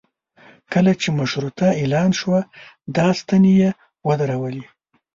کله چې مشروطه اعلان شوه دا ستنې یې ودرولې.